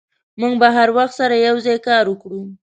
موږ به هر وخت سره یوځای کار وکړو.